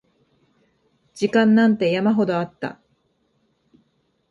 時間なんて山ほどあった